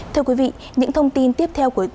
thưa quý vị những thông tin tiếp theo